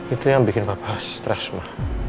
itu yang bikin papa stress ma